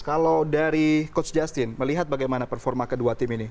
kalau dari coach justin melihat bagaimana performa kedua tim ini